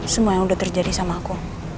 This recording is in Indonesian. semua yang udah terjadi sama aku